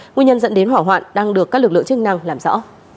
nguyên nhân dẫn đến hỏa hoạn đang được các lực lượng chức năng làm rõ